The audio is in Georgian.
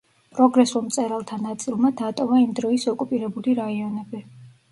პროგრესულ მწერალთა ნაწილმა დატოვა იმ დროის ოკუპირებული რაიონები.